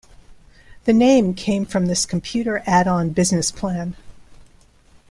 The name came from this computer add-on business plan.